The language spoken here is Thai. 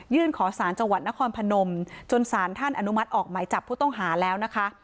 ขอสารจังหวัดนครพนมจนสารท่านอนุมัติออกหมายจับผู้ต้องหาแล้วนะคะ